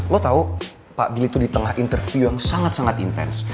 lo tahu pak billy itu di tengah interview yang sangat sangat intens